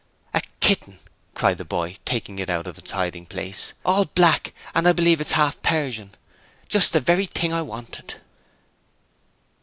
'A kitten!' cried the boy, taking it out of its hiding place. 'All black, and I believe it's half a Persian. Just the very thing I wanted.'